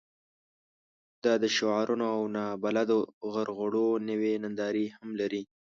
دا د شعارونو او نابلده غرغړو نوې نندارې هم لرلې.